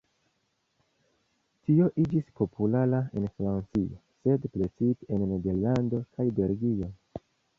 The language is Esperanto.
Tio iĝis populara en Francio, sed precipe en Nederlando kaj Belgio.